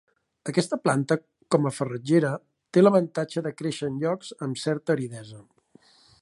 Aquesta planta com a farratgera té l'avantatge de créixer en llocs amb certa aridesa.